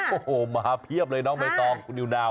โอ้โหมาเพียบเลยน้องใบตองคุณนิวนาว